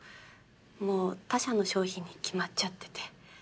もう他社の商品に決まっちゃってて。